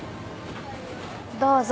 どうぞ。